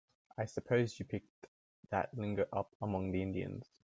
I suppose you picked that lingo up among the Indians.